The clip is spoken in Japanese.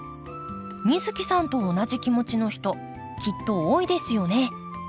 美月さんと同じ気持ちの人きっと多いですよね。